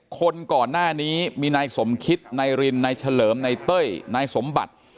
คนก่อนหน้านี้มีนายสมคิดนายรินนายเฉลิมนายเต้ยนายสมบัติ